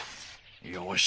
よし。